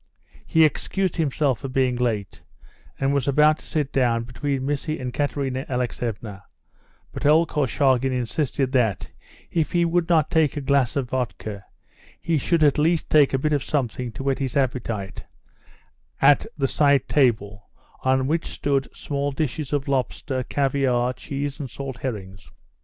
He excused himself for being late, and was about to sit down between Missy and Katerina Alexeevna, but old Korchagin insisted that if he would not take a glass of vodka he should at least take a bit of something to whet his appetite, at the side table, on which stood small dishes of lobster, caviare, cheese, and salt herrings.